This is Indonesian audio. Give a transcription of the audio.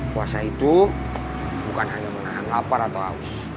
puasa itu bukan hanya menahan lapar atau haus